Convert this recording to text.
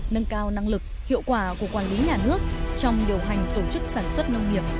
nâng cao năng lực hiệu quả của quản lý nhà nước trong điều hành tổ chức sản xuất nông nghiệp